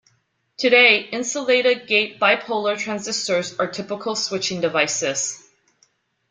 Today, insulated gate bipolar transistors are typical switching devices.